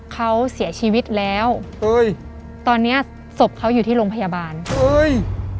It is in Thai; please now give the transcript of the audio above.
เขาเสียชีวิตแล้วเฮ้ยตอนเนี้ยศพเขาอยู่ที่โรงพยาบาลเฮ้ย